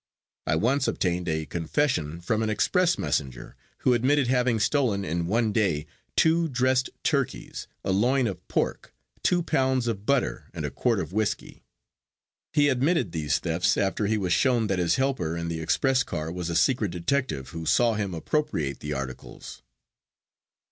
I once obtained a confession from an express messenger who admitted having stolen in one day two dressed turkeys, a loin of pork, two pounds of butter and a quart of whiskey. He admitted these thefts after he was shown that his helper in the express car was a secret detective, who saw him appropriate the articles.